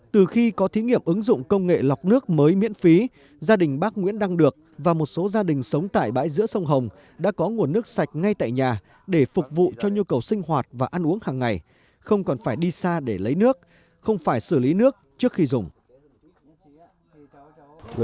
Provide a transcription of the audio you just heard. từ khi có thí nghiệm ứng dụng công nghệ lọc nước mới miễn phí gia đình bác nguyễn đăng được và một số gia đình sống tại bãi giữa sông hồng đã có nguồn nước sạch ngay tại nhà để phục vụ cho nhu cầu sinh hoạt và ăn uống hàng ngày không còn phải đi xa để lấy nước không phải xử lý nước trước khi dùng